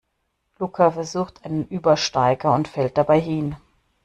Luca versucht einen Übersteiger und fällt dabei hin.